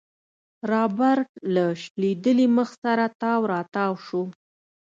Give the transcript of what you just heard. رابرټ له شکېدلي مخ سره تاو راتاو شو.